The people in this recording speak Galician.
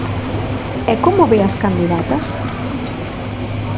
E como ve as candidatas?